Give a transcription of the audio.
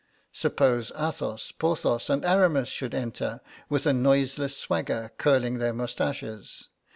Suppose Athos, Porthos, and Aramis should enter, with a noiseless swagger, curling their moustaches?